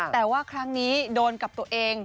แต่ว่าครั้งนี้โดนกับตัวเอง